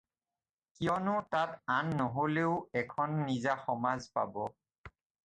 কিয়নো তাত আন নহ'লেও এখন নিজা সমাজ পাব।